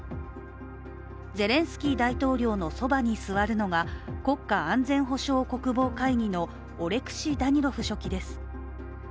ゼレンスキー大統領のそばに座るのが国家安全保障・国防会議のオレクシ・ダニロフ書記です。